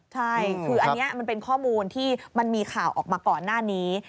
ใช่คืออันนี้มันเป็นข้อมูลที่มันมีข่าวออกมาก่อนหน้านี้